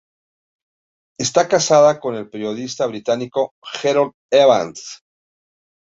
Está casada con el periodista británico Harold Evans.